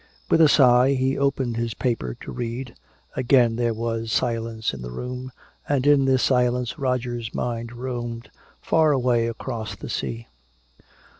With a sigh he opened his paper to read, again there was silence in the room, and in this silence Roger's mind roamed far away across the sea.